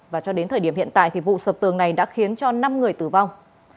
và cho đến thời điểm hiện tại thì vụ sập tường này đã khiến cho năm người tử vong